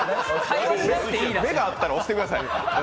目が合ったら押してください。